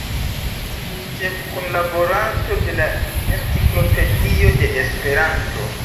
Ĉefkunlaboranto de la Enciklopedio de Esperanto.